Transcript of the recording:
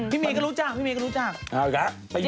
พี่เมย์ก็รู้จ้าวพี่เมย์ก็รู้มด้วย